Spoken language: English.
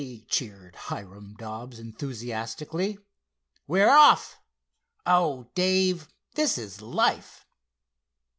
cheered Hiram Dobbs enthusiastically—"we're off! Oh, Dave, this is life!"